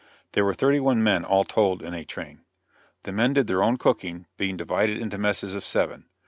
There were thirty one men all told in a train. The men did their own cooking, being divided into messes of seven.